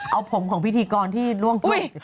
เอาผมของพิธีกรที่ร่วมคุย